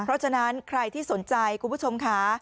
เพราะฉะนั้นใครที่สนใจคุณผู้ชมค่ะ